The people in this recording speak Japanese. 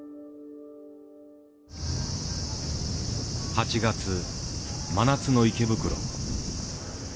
８月真夏の池袋。